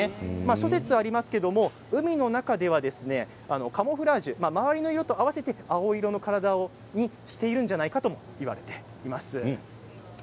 諸説ありますが海の中ではカムフラージュ周りの色と合わせて青色の体にしているんじゃないかと言われています。